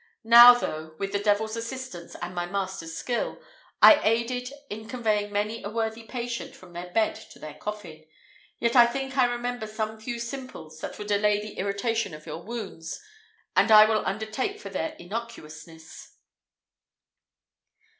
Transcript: Now, though, with the devil's assistance and my master's skill, I aided in conveying many a worthy patient from their bed to their coffin, yet I think I remember some few simples which would allay the irritation of your wounds, and I will undertake for their innocuousness."